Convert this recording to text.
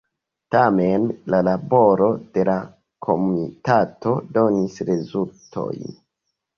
Tamen la laboro de la komitato donis rezultojn.